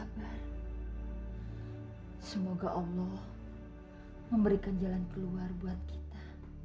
semoga allah memberikan jalan keluar buat kita